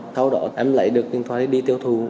sau đó em lấy được điện thoại đi tiêu thụ